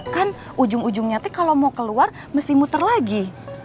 kan ujung ujungnya kalau mau keluar mesti muter lagi